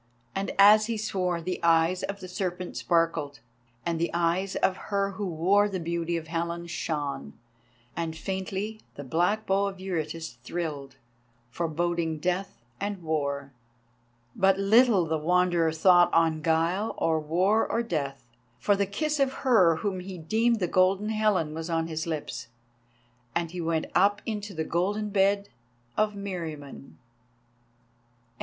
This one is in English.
And as he swore the eyes of the Serpent sparkled, and the eyes of her who wore the beauty of Helen shone, and faintly the black bow of Eurytus thrilled, forboding Death and War. But little the Wanderer thought on guile or War or Death, for the kiss of her whom he deemed the Golden Helen was on his lips, and he went up into the golden bed of Meriamun.